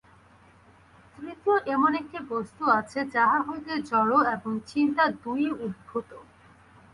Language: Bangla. তৃতীয় এমন একটি বস্তু আছে, যাহা হইতে জড় এবং চিন্তা দুই-ই উদ্ভূত।